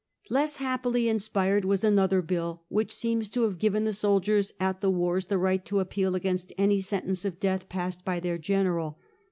Less happily inspired was another bill, which seems to have given the soldiers at the wars the right to appeal against any sentence of death passed by their general.